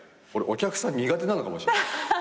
俺お客さん苦手なのかもしれない。